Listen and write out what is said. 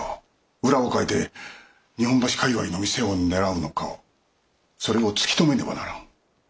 裏をかいて日本橋界隈の店を狙うのかそれを突き止めねばならん。